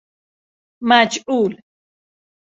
مجعول